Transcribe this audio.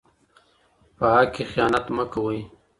په حق کي خیانت مه کوئ.